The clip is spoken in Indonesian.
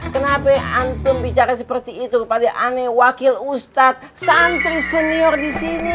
kenapa antum bicara seperti itu kepada aneh wakil ustadz santri senior di sini